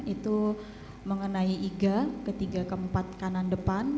itu mengenai iga ketiga keempat kanan depan